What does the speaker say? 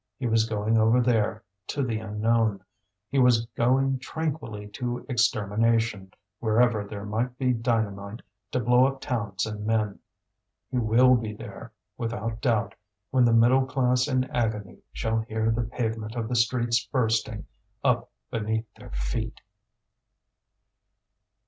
He was going over there, to the unknown. He was going tranquilly to extermination, wherever there might be dynamite to blow up towns and men. He will be there, without doubt, when the middle class in agony shall hear the pavement of the streets bursting up beneath their feet.